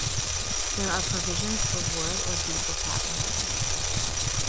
There are provisions for wood or diesel cabin heating.